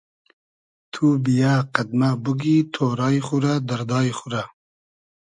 تو بییۂ قئد مۂ بوگی تۉرای خو رۂ دئردای خو رۂ